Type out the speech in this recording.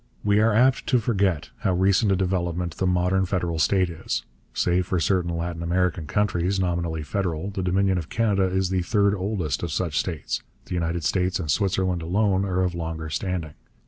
We are apt to forget how recent a development the modern federal state is. Save for certain Latin American countries, nominally federal, the Dominion of Canada is the third oldest of such states; the United States and Switzerland alone are of longer standing.